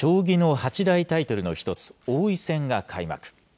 将棋の八大タイトルの１つ、王位戦が開幕。